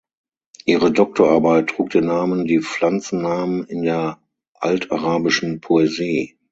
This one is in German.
Ihre Doktorarbeit trug den Namen "Die Pflanzennamen in der altarabischen Poesie".